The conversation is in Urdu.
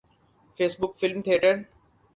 face book film theatre